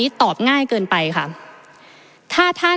ประเทศอื่นซื้อในราคาประเทศอื่น